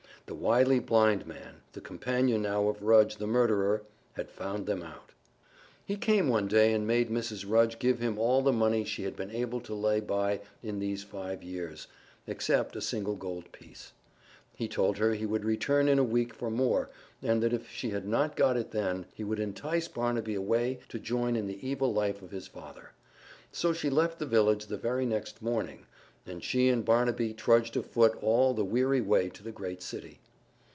The wily blind man, the companion now of Rudge, the murderer, had found them out! He came one day and made Mrs. Rudge give him all the money she had been able to lay by in these five years except a single gold piece. He told her he would return in a week for more and that if she had not got it then, he would entice Barnaby away to join in the evil life of his father. So she left the village the very next morning, and she and Barnaby trudged afoot all the weary way to the great city.